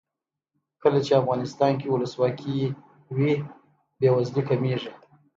کله چې افغانستان کې ولسواکي وي بې وزلي کمیږي.